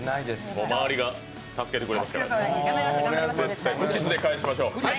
もう周りが助けてくれますから絶対、無傷で帰しましょう。